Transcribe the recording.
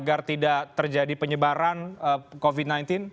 agar tidak terjadi penyebaran covid sembilan belas